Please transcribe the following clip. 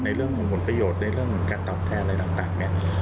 ในเรื่องของผลประโยชน์ในเรื่องการตอบแทนอะไรต่างเนี่ย